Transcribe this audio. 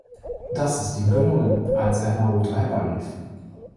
Das ist ihm gelungen, als er Naoto herbeirief.